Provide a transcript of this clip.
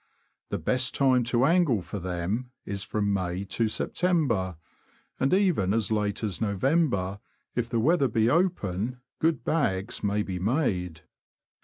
The best time to angle for them is from May to September; and even as late as November, if the weather be open, good bags may be made.